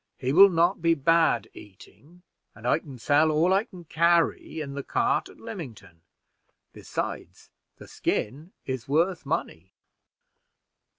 He will not be bad eating, and I can sell all I can carry in the cart at Lymington. Besides, the skin is worth money."